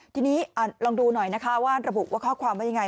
ทีนี้ลองดูหน่อยนะคะว่าระบุว่าข้อความว่ายังไง